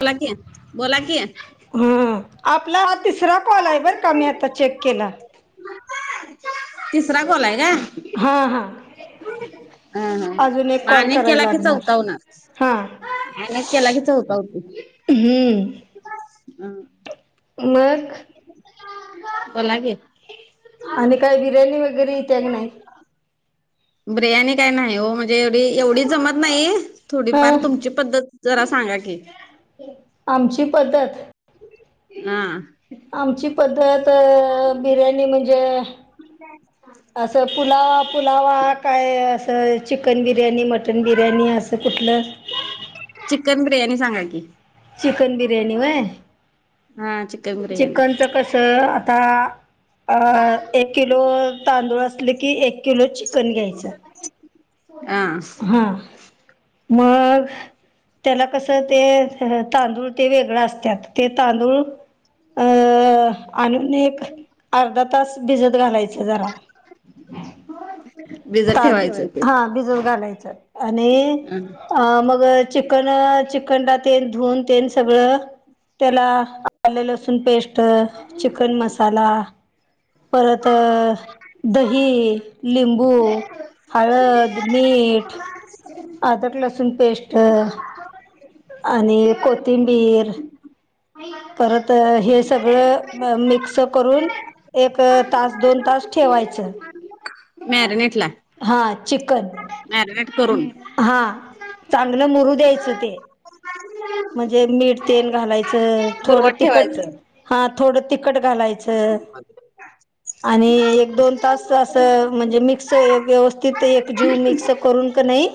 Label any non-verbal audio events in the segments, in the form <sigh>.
बोला की, बोला कि. हम्म, आपला हा तिसरा कॉल आहे बर का मी आता चेक केला. तिसरा काॅल आहे का? हा हा. ह हा, अजून म कॉल आणि एक केला करायला की लागणार चौथा होनार. हा आणि एक केला की चौथा होतो. हम्म मग? बोला की. आणि काही बिर्याणी वगैरे इत्या की नाहीय? बिर्याणी काय नाही हो, म्हणजे एवढी, एवढी जमत नाहीये, हा थोडीफार तुमची पद्धत जरा सांगा की? आमची पद्धत ना. आमची पद्धत अ बिर्याणी म्हणजे पुलावा, पुलावा काय असं चिकन, बिर्याणी मट मटन बिर्याणी असं कुठलं चिकन बिर्याणी सांगा की? चिकन बिर्याणी व्होय हा चिकन बिर्याणी चिकनच कस आता अ एक किलो तांदूळ असले की, एक किलो चिकन घ्यायचा. आ. हा, मग त्याला कस ते तांदूळ ते वेगळ असत्यात ते तांदूळ अ आणून आणि एक अर्धा तास भिजत घालायच जरा. भिजत तांदूळ ठेवायचं. हां भिजत घालायचं आणि अं मग चिकन, चिकनला तेन धुवून तेन सगळं. त्याला आले, लसूण पेस्ट चिकन मसाला परत दही, लिंबू हळद, मीठ अदरक, लसूण पेस्ट. आणि कोथिंबीर. परत हे सगळं मिक्स करून एक तास दोन तास ठेवायचं. मॅरीनेटला. हां चिकन मॅरिनेट करूनं. हा चांगलं मुरू द्यायचं ते म्हणजे मीठं तेन घालायचं थोडं बुरवत तिखट ठेवायचं. हा थोडं तिखट घालायचं. आणि एक दोन तास असं म्हणजे मिक्स व्यवस्थित एक जीव मिक्स करून क नाय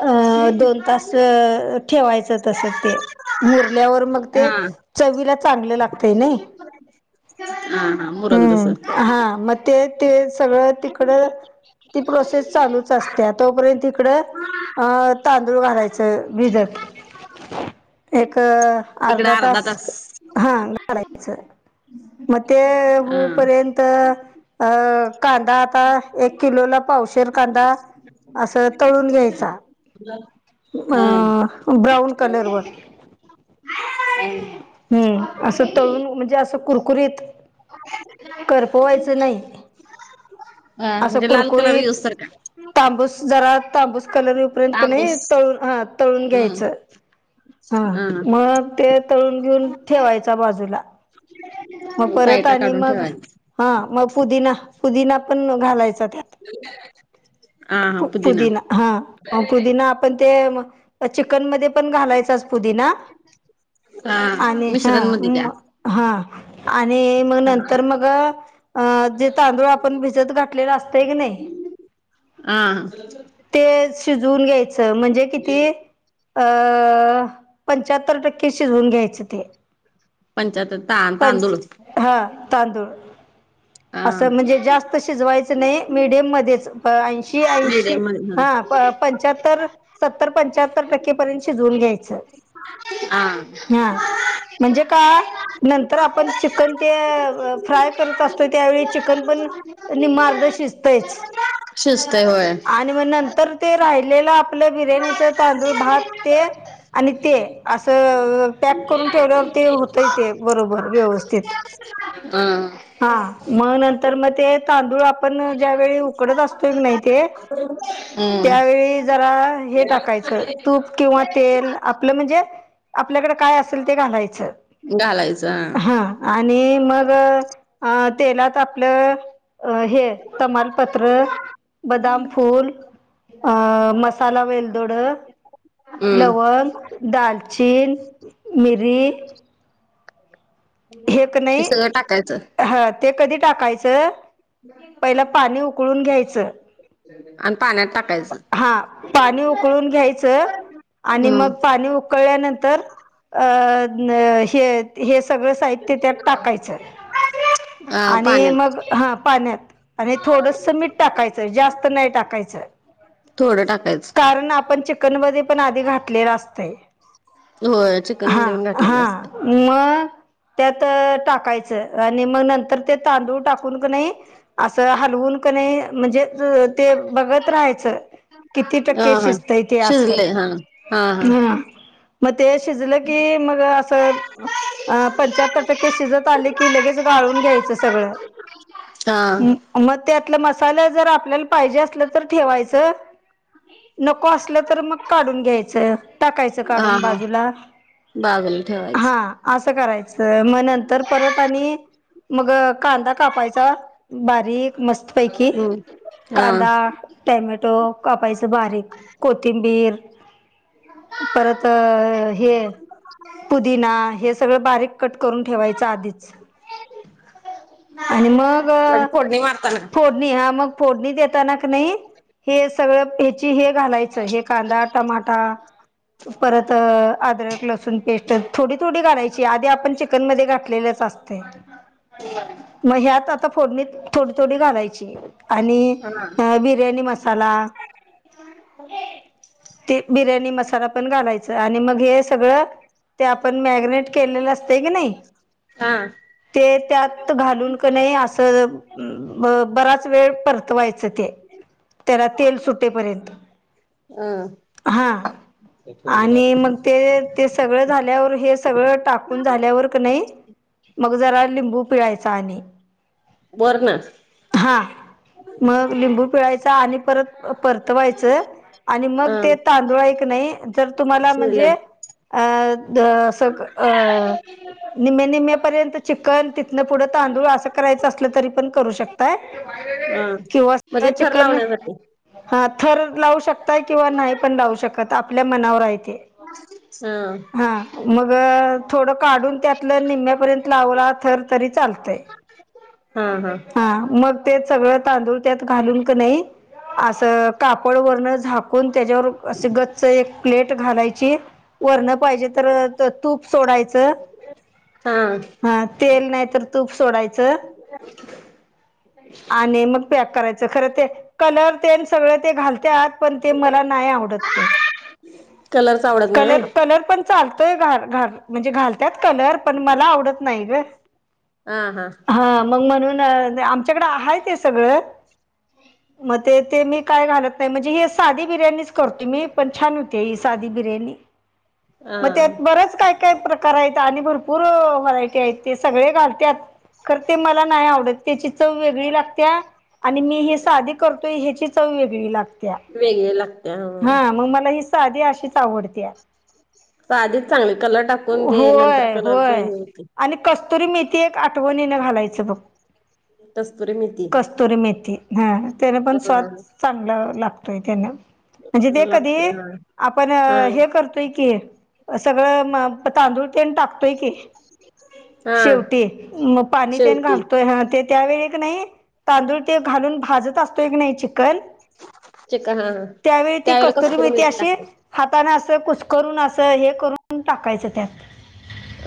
अं दोन तास ठेवायचं तसं ते मुरल्यावर मग हा. ते चवीला चांगलं लागतयं नाय. <inaudible> मुरल तस हं हा मग ते ते सगळं तिकडं ती प्रोसेस चालूचं असत्या तोपर्यंत तिकडं अ तांदूळ घालायचं भिजत एक इकड अर्धा अर्धा तास. हा घालायचं मग ते हा. होवूपर्यंत अ कांदा आता एक किलोला पावशेर कांदा असं तळून घ्यायचा. <inaudible> अ.... ब्राऊन कलर वर हं असं तळून म्हणजे असं कुरकुरीत करपवायचं नाही अं असं म्हणजे लाल कलर कुरकुरीत यूसतरका का. तांबूस जरा तांबूस कलर येऊपर्यंत कणी तांबूस तळून हा तळून ह घ्यायचं हा ह मग ते तळून घेऊन ठेवायचा बाजूला. मग परत साईडला आणि काढून मग ठेवायच हा मग पुदिना पुदिना पण घालायचा त्यात. <inaudible> पु पुदिना हा पुदिना आपण ते त्या चिकन मध्ये पण घालायचाचं पुदीना हा आणि हा मिश्रण मध्ये द्या मग हा आणि मग नंतर मग अं जे तांदूळ आपण भिजत घातलेलं असत की नाही. हां. ते शिजवून घ्यायचं म्हणजे किती अं पंच्याहत्तर टक्के शिजवून घ्यायचं ते. पंच्याहत्तर तां पंच तांदूळ हा तांदूळ हा असं म्हणजे जास्त शिजवायचं नाही मिडियम मध्येचं अ ऐंशी ऐंशी मिडियम हा, मध्ये पंच्याहत्तर, सत्तर पंचाहत्तर टक्केपर्यंत शिजवून घ्यायचं. हां. हा म्हणजे का? नंतर आपण चिकन ते, फ्राय करत असतो त्यावेळी चिकन पण निम्मं -अर्धां शिजतयचं. शिजतयं होयं. आणि मग नंतर ते राहिलेलं आपलं बिर्याणीच तांदूळ भात ते आणि ते, असं पॅक करून ठेवल्यावर ते होतंय ते बरोबर व्यवस्थित. हा हा हा, मग नंतर मग नंतर म ते तांदूळ आपण ज्यावेेळी उकडत असतोय की नाही ते <unintelligible> त्यावेळी जरा हे टाक टाकायच, तूप किंवा तेल आपलं म्हणजे आपल्याकडं काय असेल ते घालायचं. घालायचं हा. हा, आणि मग तेलात आपलं अ हे तमालपत्र बदाम फूल अ, मसाला वेलदोड, हम्म लवंग, दालचीन, मिरी, क हे नाही सगळं टाकायचं. हा ते कधी टाकायचं, पहिलं पाणी उकळून घ्यायचं. आणि पाण्यात टाक हा, पाणी उकळून घ्यायचं आणि हम्म मग पाणी उ कळल्यानंतर अ, न, हे, हे सगळं साहित्य त्यात टाकायचं. अ आणि पाण्यात मग हा, पाण्यात. आणि थोडस मीठ टाकायचं, जास्त नाही टाकायचं. थोडं टाकायचं. कारण आपण चि चिकन मध्ये पण आधी घातलेला असतय. होय, चिकन मध्ये पण घातलेलं असतय हां मग, त्यात टाकायचं आणि म नंत ते तांदूळ टाकून क नी अस हलवून कणी म्हणजे ते बघत राहायचं, किती हा टक्के हा शिजतय ते असं. शिजले हा हा, हा. म ते शिजलं की मग असं अ, पंच्याहत्तर टक्के शिजत आल की लगेच गाळून घ्यायच. सगळं, हा मग त्यातल मसाला जर आपल्याला पाहिजे असलं तर ठेवायचं. नको असलं तर मग काढून घ्यायचं, टाकायचं काढून बाजूला. बाजुला ठेवायच. हा असं करायचं, मग नंतर परत आणि मग कांदा कापायचा, बारीक मस्त पैकी हम्म हा कांदा टॅमॅटो कापायचं बारीक, कोथिंबीर परत हे पुदिना, हे सगळं बारीक कट करून ठेवायच आधीच. <unintelligible> आणि मग म्हणजे फोडणी मारताना फोडणी, हा मग फोडणी देताना क नी हे सगळं हेची हे घालायचं हे कांदा, टमाटा, परत अदरक लसूण पेस्ट थोडी -थोडी घालायची आधी आपण चिकनमध्ये घातलेलं असत्या. -सास्ते. होय. मग ह्यात आता फोडणी थोडी- थोडी घालायची आणि हा विरघळले बिर्याणी मसाला, ते बिर्याणी मसाला पण घालायच आणि मग हे सगळं ते आपण मॅगनेट केलेलं असतय की नाई हा. ते. त्यात घालून क नई असं ब बराच वेळ परतवायचं ते त्याला तेल सुटेपर्यंत हं. हा आणि मग ते ते सगळं झाल्यावर हे सगळं टाकून झाल्यावर क नई, मग जरा लिंबू पिळायचा आणि वर ना हा मग लिंबू पिळायचा आणि परत परतवायचं आणि मग ते तांदुळ हाय क नई जर तुम्हाला म्हणजे शिजलेलं अ द स क अ निम्मे निम्मेपर्यंत चिकन तिथनं पुढं तांदूळ असं करायचं असलं तरी पण करू शकताय हा किंवा सगळ म्हणजे थर चिकन लावण्यासाठी हा थर लावू शकताय किंवा नाही पण लावू शकत आपल्या मनावर आहे तेे. हा. हा मग थोडं काढून त्यातलं निम्म्यापर्यंत लावला थर तरी चालतंय. <unintelligible> <inaudible> हा हा. हा मग ते सगळ तांदूळ त्यात घालून क नई अस कापड वरन झाक कुन त्याज्यावर अस गच्च एक प्लेट घालायची वरणं पाहिजे तर त तूप सोडायचं हा हा तेल नाय तर तूप सोडायचं. <unintelligible> <inaudible> आणि मग पॅक करायच खरं ते कलर तेन सगळं ते घालत्यात पण ते मला नाय आवडत ते. कलर्सच आवडत नाही कलर होय कलर पण चालतोय, घा घाल म्हणजे घालत्यात कलर पण मला आवडत नाही ग. अ हा. हा मग म्हणून आमच्याकड आहे ते सगळं मग ते ते मी काय घालत नाय हे साधी बिर्याणीच करतो मी पण छान होते ही साधी बिर्याणी हा मग त्यात बरंच काय काय प्रकार आहेत आणि भरपूर व्हरायटी आहेत ते सगळे घालत्यात. खर ते मला नाय आवडत त्याची चव वेगळी लागत्या आणि मी हे साधी करतोय ह्याची चव वेगळी लागत्या. वेगळी लागत्या हा. हा मग मला हीस साधी अशीच आवडत्या. साधीच चांगली नंतर ते कलर टाकून ते नंतर होय कलर च हे होय होते. आणि कस्तुरी मेथी एक आठवणीने घालायचं बघ. कस्तुरी मेथी कस्तुरी मेथी हा. त्यान पण स्वाद हा चांगला लागतोय त्यान म्हणजे ते कधी लागतय हा आपण हा हे करतोय की अ सगळं म तांदूळ तेन टाक होय की, हा शेवटी मग पाणी तेन शेवटी घावतंय, हा ते. त्यावेळी की नाही, तांदूळ ते घालून भाजत असतो का नाही, चीक पण, चिक हा हा त्यावेळी ते कस्तुरी मेथी अशी हातानं असं, कुसकरून असं, हे करून टाकायचं त्यात.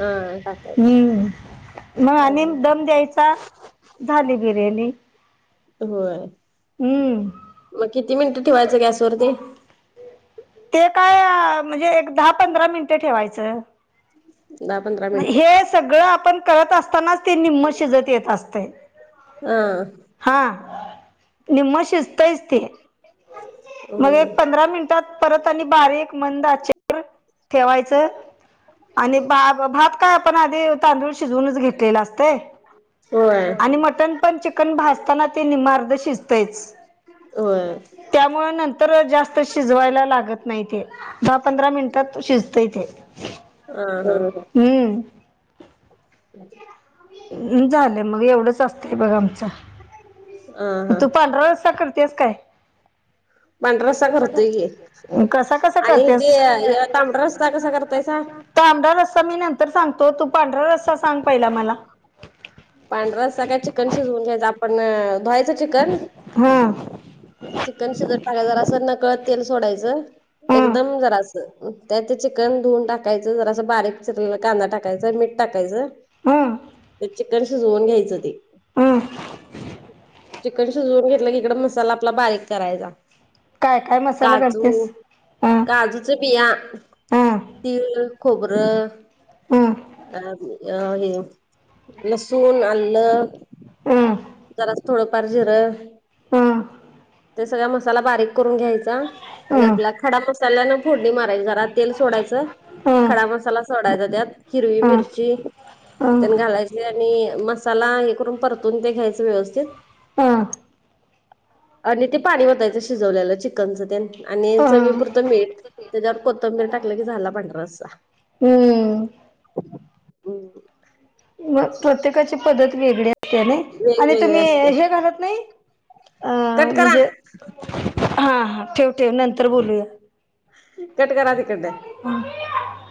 हा टाकायची हम्म! मग अ आणि दम द्यायचा झाली बिर्याणी. होय! हम्म मग किती मिनिटं ठेवायचं गॅसवर ते? ते काय म्हणजे, एक दहा- पंधरा मिनिटं ठेवायचं. दहा- पंधरा मग मिनिटं हे सगळं आपण करत असतानाच ते निम्म शिजत येत असतय. <unintelligible> हा! निम्म शिजतंय ते. मग होय एक पंधरा मिनिटात परत आणि बारीक मंद आचे वर ठेवायचं. आणि बा भात काय आपण आधी तांदूळ शिजवूनच घेतलेला असतय. होय आणि मटन पण चिकन भाजताना ते निम्म अर्ध शिजतेयच. होय! मग नंतर जास्त शिजवायला लागत नाही ते. दहा- पंधरा मिनिटात शिजतय ते. हा हा हम्म! <inaudible> झालं मग एवढंच असतंय बघ आमचं. हा हा तू पांढरा रस्सा करतीयास काय? पांढरा रस्सा करतोय की, कसा कसा आणि जे करतीयास? हे तांबडा रस्सा कसा करतायसा तांबडा रस्सा मी नंतर सांगतो. तू पांढरा रस्सा सांग पहिला मला. पांढरा रस्सा काय चिकन शिजवून घ्यायचं. आपण अं धुवायचं चिकन हा! चिकन शिजत टाकायचं, जरासं नकळत तेल सोडायचं हं, एकदम जरासं, त्या ते चिकन धुवून टाकायचं, जरासं बारीक चिरलेला कांदा टाकायचं मीठ टाकायचं. हं, चिकन शिजवून घ्यायचं ते. हं! चिकन शिजवून घेतलं की, इकड मसाला आपला बारीक करायचा काय काय मसाला काजू घालतेस हं, काजूचं बिया, हं, तिळ, खोबरं हं, अ अ हे लसूण, आलं हं, हं, जरासं थोडंफार जीर हं, ते सगळ मसाला बारीक करून घ्यायचा. आणि हं, आपल्या खडा मसाला ना फोडणी मारायची. जरा तेल सोडायचं. हं, हं, खडा मसाला सोडायचा त्यात, हिरवी हं, मिरची तेन घालायची आणि मसाला हे करून परतून ते घ्यायचे व्यवस्थित. हा! आणि ते पाणी ओतायचं शिजवलेलं चिकनच ते आणि चवी पुुरतं मीठ. त्याच्यावर कोथंबीर टाकलं की, झाला पांढरा रस्सा. हम्म! मग प्रत्येकाची पद्धत वेगळी असतीया नाही. आणि वेगवेगळे तुम्ही असत्यात हे घालत नाही, अ कट करा म्हणजे हा, हा ठेवते नंतर बोलूया. कट करा तिकडंन. हम.